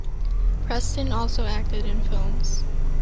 Preston also acted in films.